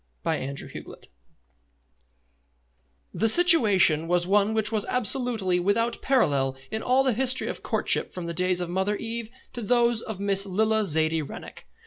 CHAPTER I The situation was one which was absolutely without parallel in all the history of courtship from the days of Mother Eve to those of Miss Lilla Zaidie Rennick.